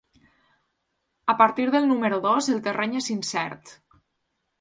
A partir del número dos el terreny és incert.